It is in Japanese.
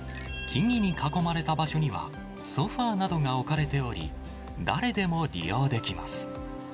木々に囲まれた場所にはソファーなどが置かれており、誰でも利用できます。